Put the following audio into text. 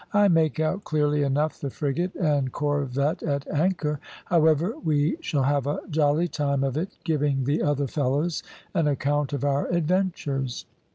"I make out clearly enough the frigate and corvette at anchor; however, we shall have a jolly time of it giving the other fellows an account of our adventures.